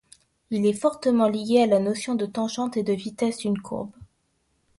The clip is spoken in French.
Il est fortement lié à la notion de tangente et de vitesse d'une courbe.